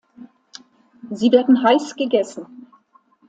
Sie werden heiß gegessen.